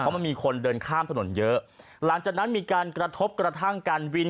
มันมีคนเดินข้ามถนนเยอะหลังจากนั้นมีการกระทบกระทั่งการวิน